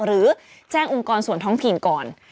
หรือแจ้งองค์กรส่วนท้องถิ่นก่อน